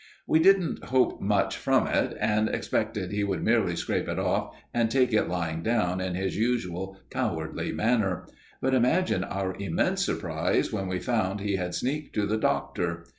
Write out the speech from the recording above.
We didn't hope much from it, and expected he would merely scrape it off and take it lying down in his usual cowardly manner. But imagine our immense surprise when we found he had sneaked to the Doctor!